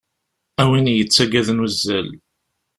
A win yettaggaden uzzal.